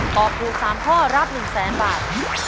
ตอบถูก๓ข้อรับ๑แสนบาท